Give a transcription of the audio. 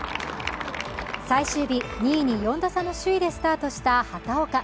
最終日、２位に４打差の首位でスタートした畑岡。